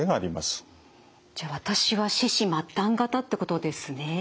じゃ私は四肢末端型ってことですねえ。